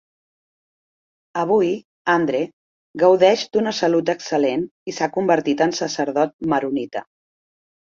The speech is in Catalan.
Avui, Andre gaudeix d'una salut excel·lent i s'ha convertit en sacerdot maronita.